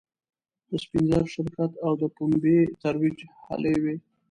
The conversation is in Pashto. د سپین زر شرکت او د پومبې ترویج هلې وې.